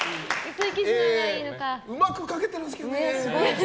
うまく描けてるんですけどね。